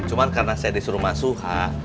cuman karena saya disuruh mas suha